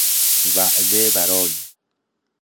وعده برای